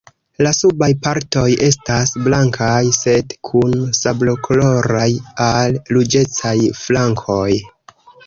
La subaj partoj estas blankaj, sed kun sablokoloraj al ruĝecaj flankoj.